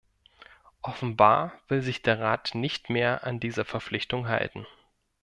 Offenbar will sich der Rat nicht mehr an diese Verpflichtung halten.